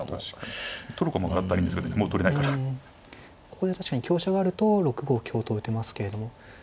ここで確かに香車があると６五香と打てますけれども。